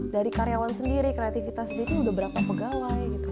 dari karyawan sendiri kreatifitas sendiri itu udah berapa pegawai